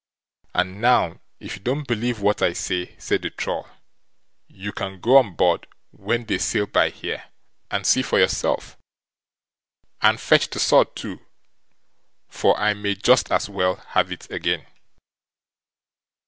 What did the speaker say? And now if you don't believe what I say", said the Troll, "you can go on board when they sail by here, and see for yourself, and fetch the sword too, for I may just as well have it again."